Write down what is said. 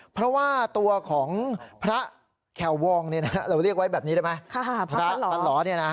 เพราะว่าตัวของพระแคววองเราเรียกไว้แบบนี้ได้ไหมพระพันล้อ